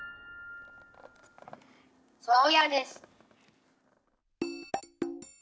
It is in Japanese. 「そうやです」。